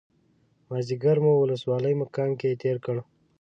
مازیګری مو ولسوالۍ مقام کې تېر کړ.